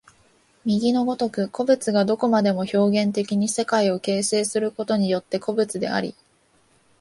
右の如く個物がどこまでも表現的に世界を形成することによって個物であり、